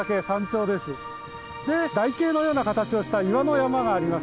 で台形のような形をした岩の山があります。